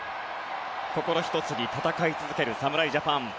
心一つに戦い続ける侍ジャパン。